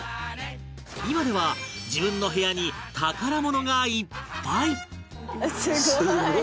今では自分の部屋に宝物がいっぱい